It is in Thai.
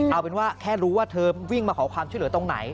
เอาเป็นว่าแค่รู้ว่าเธอวิ่งมาขอความช่วยเหลือตรงไหน